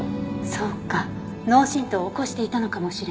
そうか脳震盪を起こしていたのかもしれない。